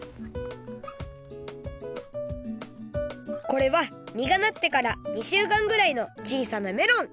これはみがなってから２しゅうかんぐらいの小さなメロン！